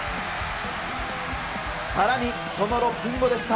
さらにその６分後でした。